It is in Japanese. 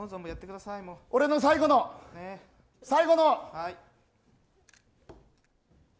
俺の最後の、最後の。